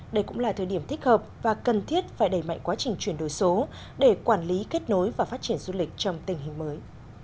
đây cũng là thời điểm thích hợp và cần thiết phải đẩy mạnh quá trình chuyển đổi số để quản lý kết nối và phát triển du lịch trong tình hình mới